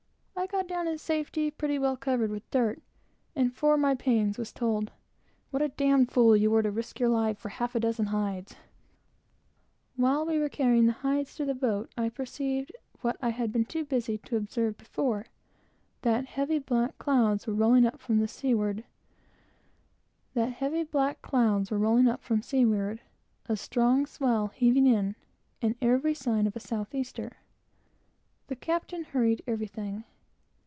I got down in safety, pretty well covered with dirt; and for my pains was told, "What a d d fool you were to risk your life for a half a dozen hides!" While we were carrying the hides to the boat, I perceived, what I had been too busy to observe before, that heavy black clouds were rolling up from seaward, a strong swell heaving in, and every sign of a south easter. The captain hurried everything.